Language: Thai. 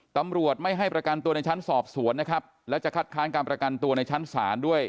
ตำรวจไม่ให้ประกันตัวในชั้นสอบสวนนะครับและจะคัดค้านการประกันตัวในชั้นศาลด้วย